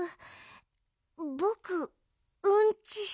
ぼくうんちしたい。